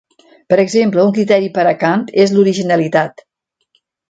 Per exemple, un criteri per a Kant és l'originalitat.